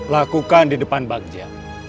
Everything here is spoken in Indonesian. lakukan di depan bagja